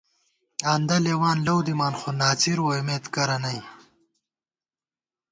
آندہ لېوان لَؤ دِمان، خو ناڅِر ووئیمېت کرہ نئ